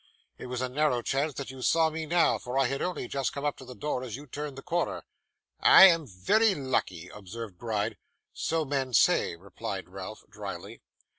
'It was a narrow chance that you saw me now, for I had only just come up to the door as you turned the corner.' 'I am very lucky,' observed Gride. 'So men say,' replied Ralph, drily.